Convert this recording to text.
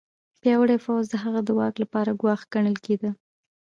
پیاوړی پوځ د هغه د واک لپاره ګواښ ګڼل کېده.